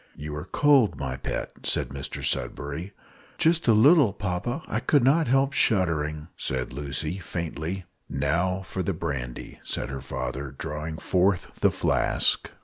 "You are cold, my pet," said Mr Sudberry. "Just a little, papa; I could not help shuddering," said Lucy, faintly. "Now for the brandy," said her father, drawing forth the flask.